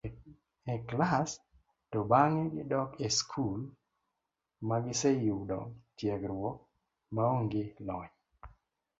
e klas, to bang'e gidok e skul ma giseyudo tiegruok maonge lony